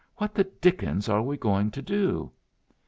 What the dickens are we going to do?"